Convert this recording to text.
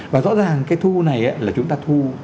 và rõ ràng cái thu này là chúng ta thu